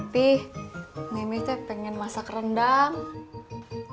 pih mimi pengen masak rendang